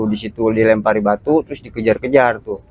di situ dilempari batu terus dikejar kejar